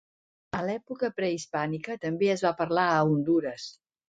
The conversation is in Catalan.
A l'època prehispànica també es va parlar a Hondures.